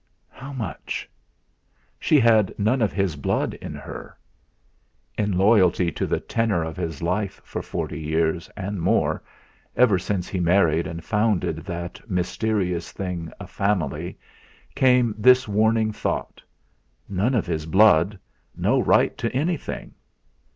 'How much?' She had none of his blood in her! In loyalty to the tenor of his life for forty years and more, ever since he married and founded that mysterious thing, a family, came this warning thought None of his blood, no right to anything!